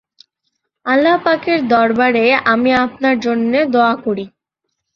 আল্লাহ পাকের দরবারে আমি আপনার জন্য দোয়া করি।